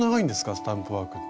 スタンプワークって。